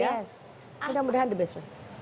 yes mudah mudahan the best one